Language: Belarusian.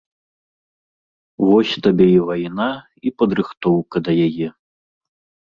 Вось табе і вайна, і падрыхтоўка да яе.